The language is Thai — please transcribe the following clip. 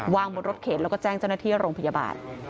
บนรถเข็นแล้วก็แจ้งเจ้าหน้าที่โรงพยาบาล